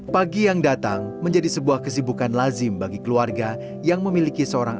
pagi yang datang menjadi sebuah kesibukan lazim bagi keluarga yang memiliki seorang